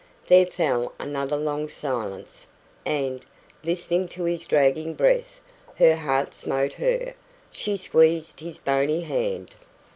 There fell another long silence, and, listening to his dragging breath, her heart smote her. She squeezed his bony hand.